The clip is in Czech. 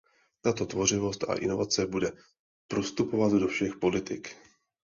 Tato tvořivost a inovace bude prostupovat do všech politik.